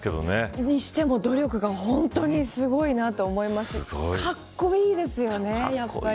それにしても努力が本当にすごいなと思いますしかっこいいですよね、やっぱり。